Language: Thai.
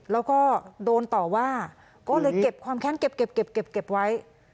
แล้วก็โดนต่อว่าก็เลยเก็บความแข็งเก็บเก็บเก็บเก็บไว้